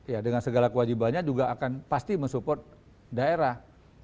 ya dengan segala kewajibannya juga akan pasti mensupport daerah